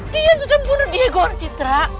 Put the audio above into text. dia sudah membunuh diego orcitra